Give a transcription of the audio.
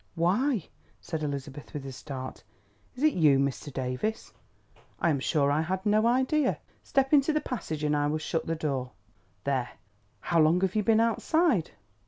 "Why," said Elizabeth with a start, "is it you, Mr. Davies? I am sure I had no idea. Step into the passage and I will shut the door. There! How long have you been outside?"